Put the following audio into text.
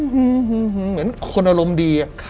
ฮึฮึฮึฮึเหมือนคนอารมณ์ดี